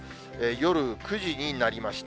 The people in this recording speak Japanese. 夜９時になりました。